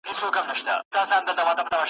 چی یوه بل ته خر وایی سره خاندي .